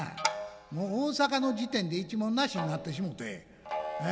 もう大阪の時点で一文無しになってしもてええ